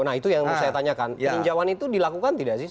nah itu yang mau saya tanyakan peninjauan itu dilakukan tidak sih